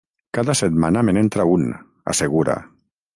Cada setmana me n'entra un —assegura.